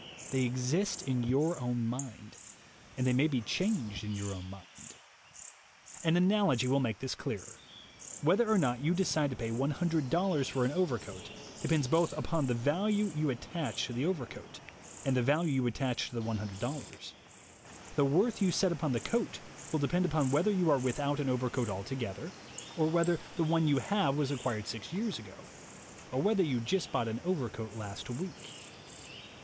They exist in your own mind, and they may be changed in your own mind. An analogy may make this clearer. Whether or not you decide to pay $100 for an overcoat, depends both upon the value you attach to the overcoat and the value you attach to the $100. The worth you set upon the coat will depend upon whether you are without an overcoat altogether, 48 THE WAY TO WILL POWER or whether the one you have was acquired six years ago, or whether you just bought an over coat last week.